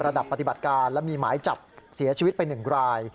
ระดับปฏิบัติการและมีหมายจับเสียชีวิตไปหนึ่งราย